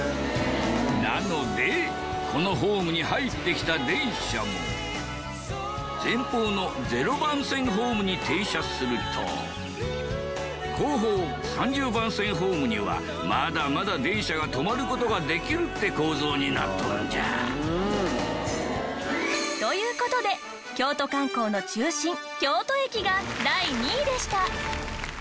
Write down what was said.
なのでこのホームに入ってきた電車も前方の０番線ホームに停車すると後方３０番線ホームにはまだまだ電車が止まる事ができるって構造になっとるんじゃ。という事で京都観光の中心京都駅が第２位でした。